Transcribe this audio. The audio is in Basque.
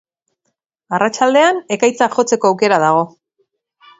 Arratsaldean, ekaitzak jotzeko aukera dago.